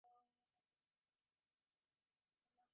এই পূজাই আমার জীবনের শ্রেষ্ঠদানরূপে দেশকে দিয়ে যাব।